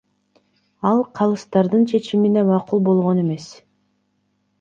Ал калыстардын чечимине макул болгон эмес.